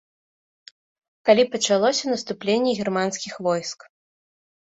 Калі пачалося наступленне германскіх войск.